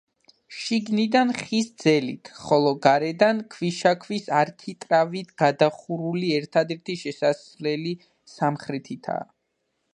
შიგნიდან ხის ძელით, ხოლო გარედან ქვიშაქვის არქიტრავით გადახურული ერთადერთი შესასვლელი სამხრეთითაა.